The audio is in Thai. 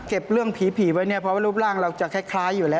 เรื่องผีไว้เนี่ยเพราะว่ารูปร่างเราจะคล้ายอยู่แล้ว